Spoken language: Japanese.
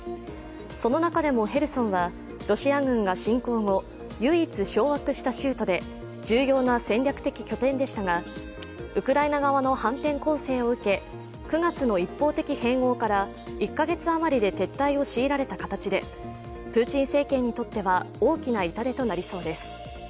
その中でもヘルソンはロシア軍が侵攻後、唯一掌握した州都で重要な戦略的拠点でしたがウクライナ側の反転攻勢を受け、９月の一方的併合から１か月余りで撤退を強いられた形でプーチン政権にとっては大きな痛手となりそうです。